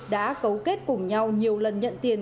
đã cấu kết cùng nhau nhiều lần nhận tiền